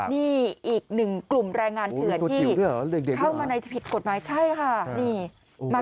นี่อีกหนึ่งกลุ่มแรงงานเถื่อนที่เข้ามาในผิดกฎหมายใช่ค่ะนี่มา